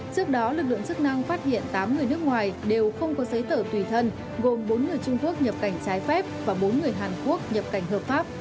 trước đó lực lượng chức năng phát hiện tám người nước ngoài đều không có giấy tờ tùy thân gồm bốn người trung quốc nhập cảnh trái phép và bốn người hàn quốc nhập cảnh hợp pháp